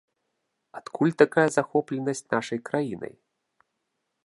Адкуль такая захопленасць нашай краінай?